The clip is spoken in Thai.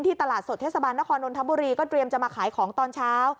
ตลาดสดเทศบาลนครนนทบุรีก็เตรียมจะมาขายของตอนเช้า